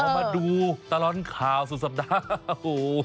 มาดูตลอดข่าวสุดสัปดาห์โอ้โห